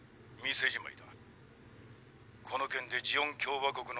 店じまい。